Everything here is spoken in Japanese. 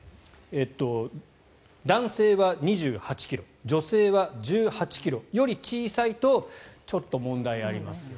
男性は２８ｋｇ女性は１８ｋｇより小さいとちょっと問題ありますよと。